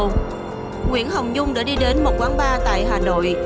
nguyễn hồng dung đã đi đến một quán bar tại hà nội